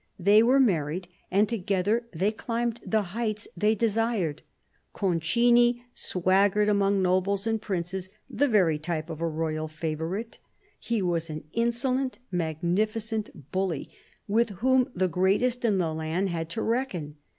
They were married, and together they climbed the heights they desired. Concini swaggered among nobles and princes, the very type of a royal favourite. He was an insolent, magnificent bully, with whom the greatest in the land had to reckon.